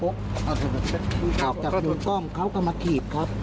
ออกจากมุมกล้องเขาก็มาขีดครับ